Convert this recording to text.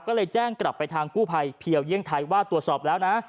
ก็เลยแจ้งกลับไปทางกู้ภัยเพียวเยี่ยงไทยว่าตรวจสอบแล้วนะ